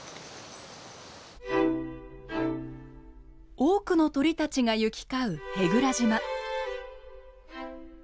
多くの鳥たちが行き交う舳倉島。